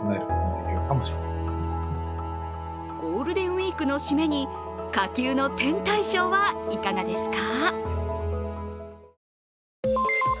ゴールデンウイークの締めに火球の天体ショーはいかがですか。